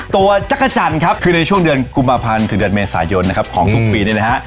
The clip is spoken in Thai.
จักรจันทร์ครับคือในช่วงเดือนกุมภาพันธ์ถึงเดือนเมษายนนะครับของทุกปีนี้นะฮะ